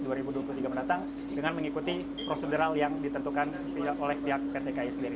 dan juga sampai tanggal dua puluh tiga menatang dengan mengikuti prosedural yang ditentukan oleh pihak pt kai sendiri